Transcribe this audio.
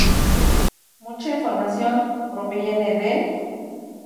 Mucha información proviene del